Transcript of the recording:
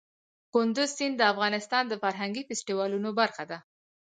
کندز سیند د افغانستان د فرهنګي فستیوالونو برخه ده.